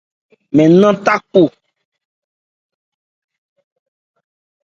Mɛn nɛn tha cɔ.